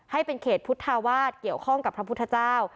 ให้เป็นเขตพุทธาวาสเกี่ยวข้องกับพระพุทธเจ้า